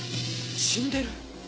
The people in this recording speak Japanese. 死んでる。